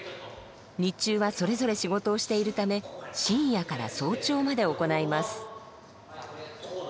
日中はそれぞれ仕事をしているため深夜から早朝まで行います。